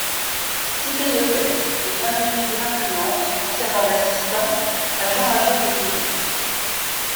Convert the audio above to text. Styppéiotès devient une figure influente en servant d'assistant à Jean Hagiothéodorite.